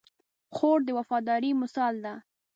خور د وفادارۍ مثال ده.